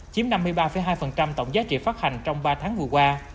chiếm năm mươi ba hai tổng giá trị phát hành trong ba tháng vừa qua